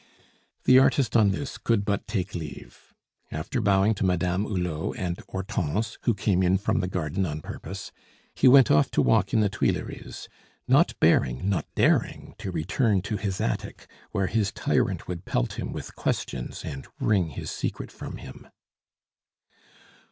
The artist on this could but take leave. After bowing to Madame Hulot and Hortense, who came in from the garden on purpose, he went off to walk in the Tuileries, not bearing not daring to return to his attic, where his tyrant would pelt him with questions and wring his secret from him.